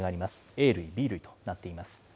Ａ類、Ｂ類となっています。